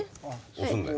押すんだよ。